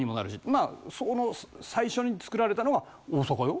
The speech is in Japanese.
まあその最初に造られたのは大阪よ。